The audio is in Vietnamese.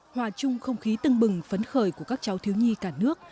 hòa chung không khí tưng bừng phấn khởi của các cháu thiếu nhi cả nước